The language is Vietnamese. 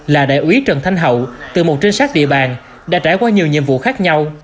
là đại úy trần thanh hậu từ một trinh sát địa bàn đã trải qua nhiều nhiệm vụ khác nhau